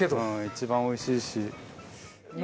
一番おいしいし。